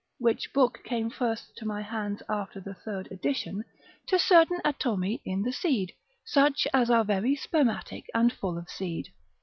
(which book came first to my hands after the third edition) to certain atomi in the seed, such as are very spermatic and full of seed.